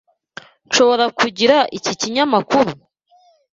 Nshobora kugira iki kinyamakuru?